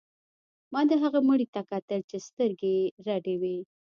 ما د هغه مړي ته کتل چې سترګې یې رډې وې